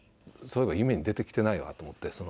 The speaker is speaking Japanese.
そういえば夢に出てきてないわと思って。